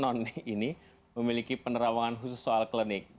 none ini memiliki penerawangan khusus soal klinik